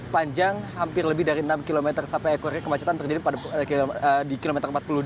sepanjang hampir lebih dari enam km sampai ekornya kemacetan terjadi di kilometer empat puluh dua